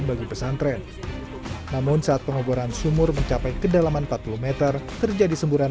bagi pesantren namun saat pengoboran sumur mencapai kedalaman empat puluh m terjadi semburan